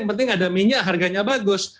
panja itu apa